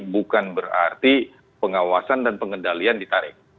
bukan berarti pengawasan dan pengendalian ditarik